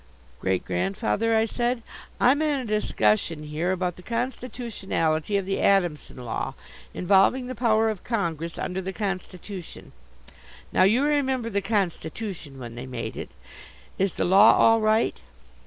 "Great grandfather," I said, "I'm in a discussion here about the constitutionality of the Adamson Law, involving the power of Congress under the Constitution. Now, you remember the Constitution when they made it. Is the law all right?"